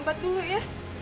obat dulu ya